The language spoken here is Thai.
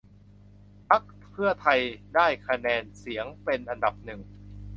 พรรคเพื่อไทยได้คะแนนเสียงเป็นอันดับหนึ่ง